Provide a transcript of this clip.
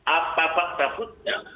apa fakta putra